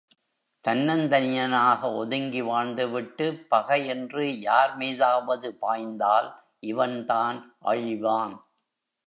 தன்னந்தனியனாக ஒதுங்கி வாழ்ந்து விட்டுப் பகை என்று யார் மீதாவது பாய்ந்தால் இவன்தான் அழிவான்.